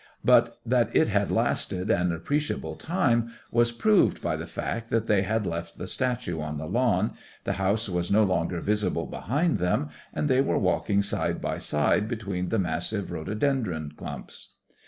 But that it had lasted an appreciable time was proved by the fact that they had left the statue on the lawn, the house was no longer visible behind them, and they were walking side by side between the massive rhododendron clumps.